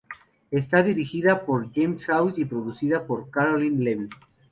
Está dirigida por James Hawes y producida por Caroline Levy.